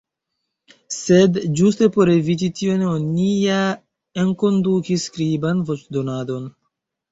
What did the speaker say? Sed ĝuste por eviti tion oni ja enkondukis skriban voĉdonadon.